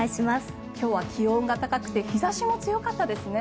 今日は気温が高くて日差しも強かったですね。